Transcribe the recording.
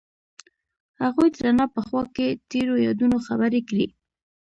هغوی د رڼا په خوا کې تیرو یادونو خبرې کړې.